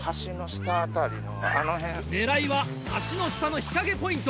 狙いは橋の下の日陰ポイント。